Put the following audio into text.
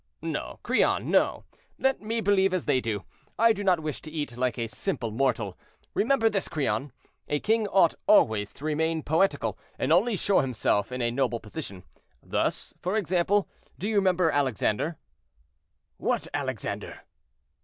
'" "No, Crillon, no; let me believe as they do. I do not wish to eat like a simple mortal. Remember this, Crillon—a king ought always to remain poetical, and only show himself in a noble position. Thus, for example, do you remember Alexander?" "What Alexander?"